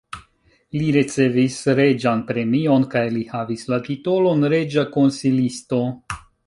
Li ricevis reĝan premion kaj li havis la titolon reĝa konsilisto.